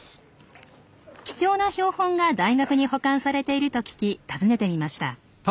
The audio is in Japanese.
貴重な標本が大学に保管されていると聞き訪ねてみました。